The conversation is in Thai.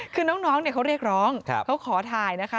คือน้องเขาเรียกร้องเขาขอถ่ายนะคะ